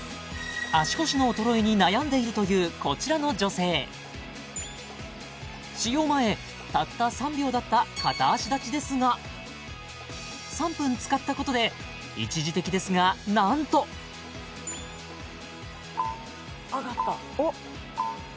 足腰の衰えに悩んでいるというこちらの女性使用前たった３秒だった片足立ちですが３分使ったことで一時的ですがなんと上がった！